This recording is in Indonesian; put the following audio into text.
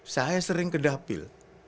saya sering ke dapil